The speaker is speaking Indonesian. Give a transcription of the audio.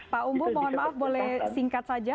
pak umbu mohon maaf boleh singkat saja